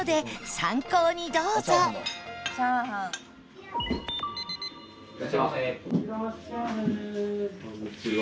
こんにちは。